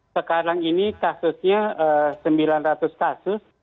sekarang ini kasusnya sembilan ratus kasus